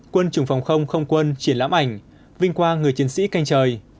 quân chủng phòng không không quân triển lãm ảnh vinh quang người chiến sĩ canh trời